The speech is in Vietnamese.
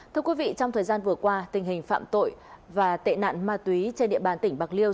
thưa quý vị trong thời gian vừa qua tình hình phạm tội và tệ nạn ma túy trên địa bàn tỉnh bạc liêu